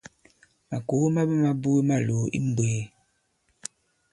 Màkòo ma ɓama buge malòò i mmbwēē.